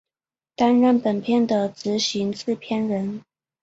担任本片的执行制片人。